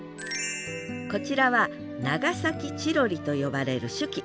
こちらは長崎チロリと呼ばれる酒器。